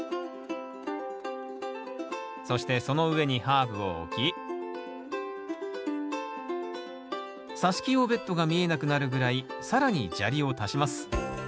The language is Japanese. そしてその上にハーブを置きさし木用ベッドが見えなくなるぐらい更に砂利を足します